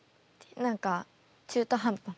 何か中途半端な。